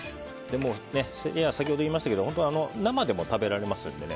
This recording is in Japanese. セリは、先ほども言いましたけど生でも食べられますのでね。